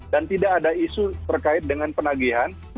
dan tidak ada isu terkait dengan penagihan